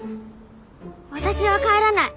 私は帰らない。